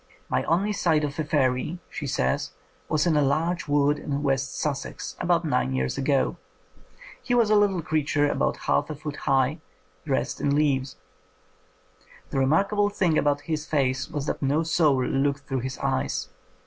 My only sight of a fairy," she says, "was in a large wood in West Sussex, about nine years ago. He was a little crea ture about half a foot high, dressed in leaves. The remarkable thing about his face was that no soul looked through his eyes.